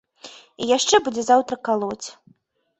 І яшчэ будзе заўтра калоць.